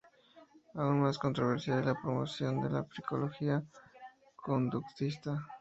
Aún más controversial, es la promoción de la psicología conductista.